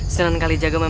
sejalan kali jaga kisahmu